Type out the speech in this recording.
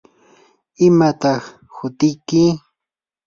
¿imataq hutiyki?